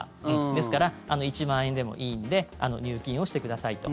ですから１万円でもいいので入金をしてくださいと。